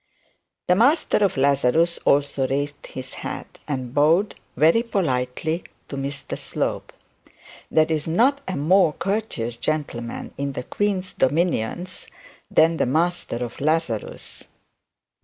The master of Lazarus also raised his hat and bowed very politely to Mr Slope. There is not a more courteous gentleman in the queen's dominions than the master of Lazarus.